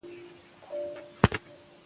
که زړورتیا وي نو میدان نه پریښودل کیږي.